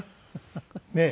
ねえ。